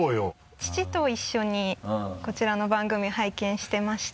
父と一緒にこちらの番組拝見してまして。